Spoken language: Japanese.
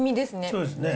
そうですね。